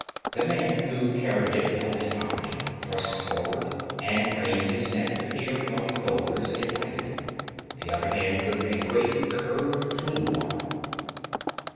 The man who carried it held it high, thrust forward, and craned his neck to peer among the boulders it lighted; the other hand gripped a great curved tulwar.